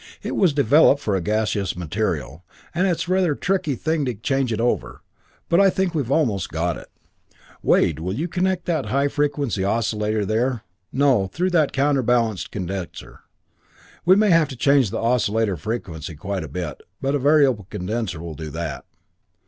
It was developed for gaseous material, and it's a rather tricky thing to change it over. But I think we've almost got it. "Wade, will you connect that to the high frequency oscillator there no through that counterbalanced condenser. We may have to change the oscillator frequency quite a bit, but a variable condenser will do that.